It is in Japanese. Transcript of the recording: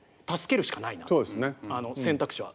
選択肢は。